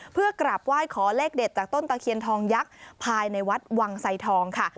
เพื่อกราบไหว้ขอเลขเด็ดจากต้นตะเคียนทองยักษ์ภายในวัดวังไสทองค่ะ